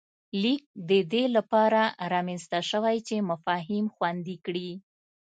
لیک د دې له پاره رامنځته شوی چې مفاهیم خوندي کړي